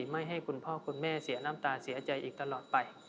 ไม่ให้คุณพ่อคุณแม่เสียน้ำตาเสียใจอีกตลอดไป